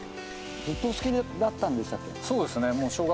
ずっとお好きだったんでしたっけ？